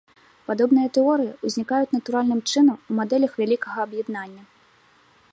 Падобныя тэорыі ўзнікаюць натуральным чынам у мадэлях вялікага аб'яднання.